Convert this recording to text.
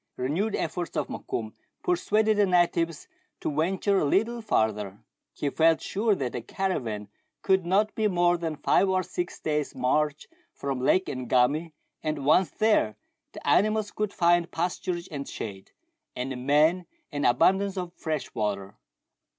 Renewed efforts of Mokoum persuaded the natives to venture a little farther : he felt sure that the caravan could not be more than five or six days' march from Lake Ngami, and once there, the animals could find pasturage and shade, and the men an abundance of fresh water.